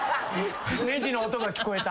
ねじの音が聞こえた。